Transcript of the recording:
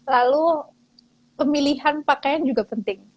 lalu pemilihan pakaian juga penting